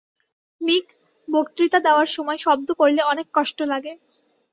মিক, বক্তৃতা দেওয়ার সময় শব্দ করলে অনেক কষ্ট লাগে।